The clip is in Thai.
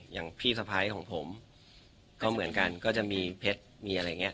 อย่างพี่สะพ้ายของผมก็เหมือนกันก็จะมีเพชรมีอะไรอย่างนี้